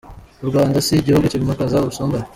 U Rwanda si igihugu kimakaza ubusumbane.